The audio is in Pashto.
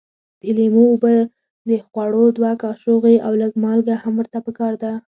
د لیمو اوبه د خوړو دوه کاشوغې او لږ مالګه هم ورته پکار ده.